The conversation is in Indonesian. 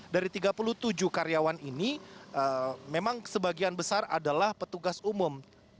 dari tiga puluh tujuh karyawan ini memang sebagian besar adalah petugas umum